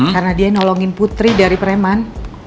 karena dia nolongin putri dari preman